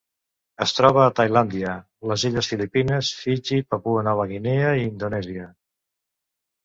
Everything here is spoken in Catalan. Es troba a Tailàndia, les illes Filipines, Fiji, Papua Nova Guinea i Indonèsia.